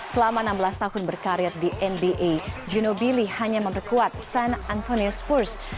selama enam belas tahun berkarir di nba ginobili hanya memperkuat san antonio spurs